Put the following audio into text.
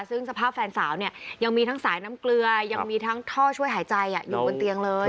ซึ่งสภาพแฟนสาวเนี่ยยังมีทั้งสายน้ำเกลือยังมีทั้งท่อช่วยหายใจอยู่บนเตียงเลย